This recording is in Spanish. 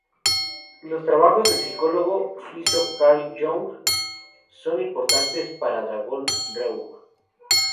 Los trabajos del psicólogo suizo Carl Jung son importantes para Dragon Rouge.